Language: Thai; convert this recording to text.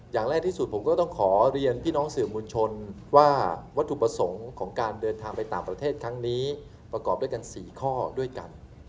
อย่างแรกที่สุดผมก็ต้องขอเรียนพี่น้องสื่อมวลชนว่าวัตถุประสงค์ของการเดินทางไปต่างประเทศครั้งนี้ประกอบด้วยกัน๔ข้อด้วยกัน